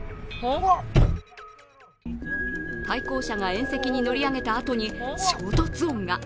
対向車が縁石に乗り上げたあとに衝突音が。